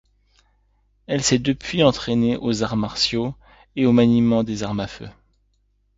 Elle s'est depuis entrainé aux arts martiaux et au maniement des armes à feu.